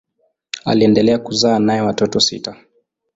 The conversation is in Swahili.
Aliendelea kuzaa naye watoto sita.